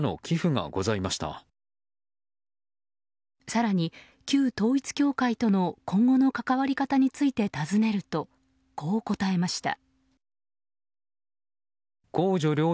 更に、旧統一教会との今後の関わり方について尋ねるとこう答えました。